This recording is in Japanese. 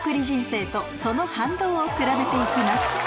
人生とその反動をくらべて行きます